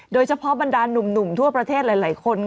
โดยเฉพาะบรรดานหนุ่มทั่วประเทศหลายคน